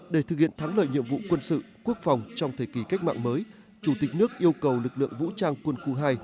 để thực hiện thắng lợi nhiệm vụ quân sự quốc phòng trong thời kỳ cách mạng mới chủ tịch nước yêu cầu lực lượng vũ trang quân khu hai